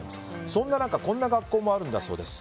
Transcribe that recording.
そんな中、こんな学校もあるんだそうです。